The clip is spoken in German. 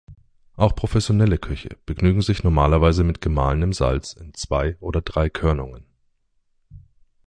Auch professionelle Köche begnügen sich normalerweise mit gemahlenem Salz in zwei oder drei Körnungen.